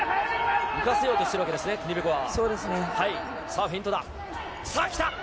浮かせようとしているわけですね、ティニベコワは。